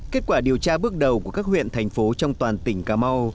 kết quả điều tra bước đầu của các huyện thành phố trong toàn tỉnh cà mau